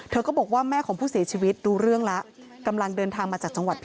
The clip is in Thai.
ก็บอกว่าแม่ของผู้เสียชีวิตรู้เรื่องแล้วกำลังเดินทางมาจากจังหวัดพิ